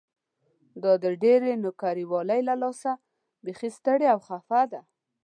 دا د ډېرې نوکري والۍ له لاسه بيخي ستړې او خپه ده.